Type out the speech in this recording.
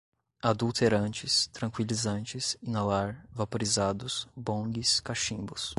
adulterantes, tranquilizantes, inalar, vaporizados, bongs, cachimbos